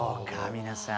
皆さん。